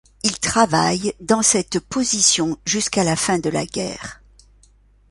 Il travaille dans cette position jusqu'à la fin de la guerre.